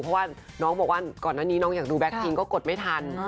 เพราะว่าน้องบอกว่าก่อนหน้านี้น้องอยากดูแก๊คทิ้งก็กดไม่ทัน